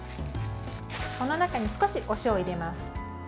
この中に少しお塩を入れます。